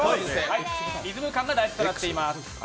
リズム感が大事となっています。